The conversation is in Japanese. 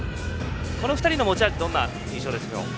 この２人の持ち味どんな印象でしょう？